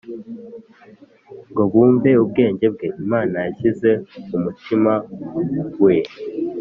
ngo bumve ubwenge bwe Imana yashyize mu mutima we